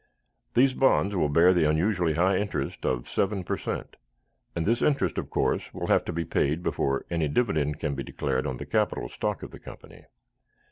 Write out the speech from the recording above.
These bonds will bear the unusually high interest of seven per cent., and this interest, of course, will have to be paid before any dividend can be declared on the capital stock of the company.